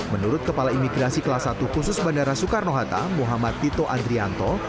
menurut kepala imigrasi kelas satu khusus bandara soekarno hatta muhammad tito andrianto